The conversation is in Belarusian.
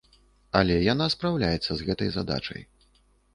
Але яна спраўляецца з гэтай задачай.